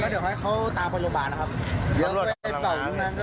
ก็เดี๋ยวให้เขาตามไปโรงพยาบาลนะครับเดี๋ยวเขาตามไปโรงพยาบาลก็ได้ครับ